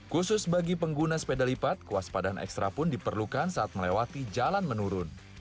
khusus bagi pengguna sepeda lipat kuas padan ekstra pun diperlukan saat melewati jalan menurun